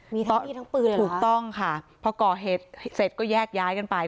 มีทั้งพี่ทั้งปืนเหรอครับถูกต้องค่ะเพราะก่อเหตุเสร็จก็แยกย้ายกันไป